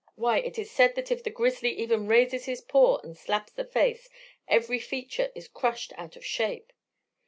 Why, it is said that if the grizzly even raises his paw and slaps the face every feature is crushed out of shape."